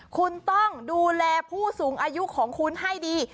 คุณต้องดูแลผู้สูงอายุของคุณให้ดี